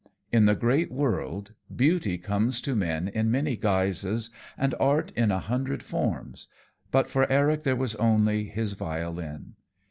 In the great world beauty comes to men in many guises, and art in a hundred forms, but for Eric there was only his violin.